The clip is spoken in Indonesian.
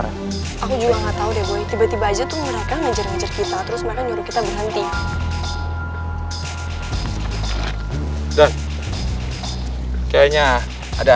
nih kenapa re